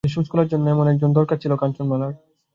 রাজার শরীর থেকে সুচ খোলার জন্য এমন একজন দরকার ছিল কাঞ্চনমালার।